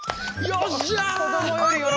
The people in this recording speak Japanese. よっしゃ！